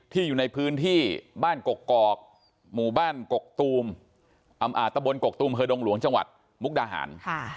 อยู่ในพื้นที่บ้านกกอกหมู่บ้านกกตูมตะบนกกตูมเฮอร์ดงหลวงจังหวัดมุกดาหาร